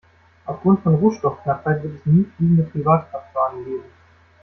Aufgrund von Rohstoffknappheit wird es nie fliegende Privatkraftwagen geben.